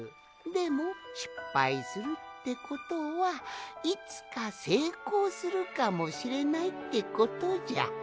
でもしっぱいするってことはいつかせいこうするかもしれないってことじゃ。